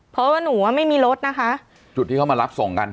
เพราะว่าหนูอ่ะไม่มีรถนะคะจุดที่เขามารับส่งกัน